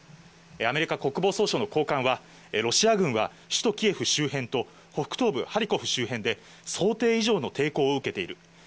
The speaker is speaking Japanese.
アメリカ国防総省の高官は、ロシア軍は首都キエフ周辺と、北東部ハリコフ周辺で、想定以上の抵抗を受けている。